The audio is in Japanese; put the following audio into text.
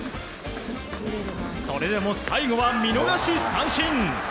それでも最後は見逃し三振。